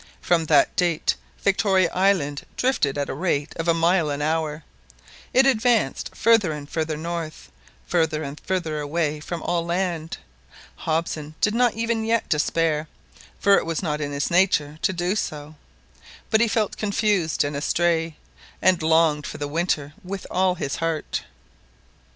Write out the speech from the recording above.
From that date Victoria Island drifted at the rate of a mile an hour. It advanced farther and farther north, farther and farther away from all land. Hobson did not even yet despair, for it was not in his nature to do so, but he felt confused and astray, and longed for the winter with all his heart.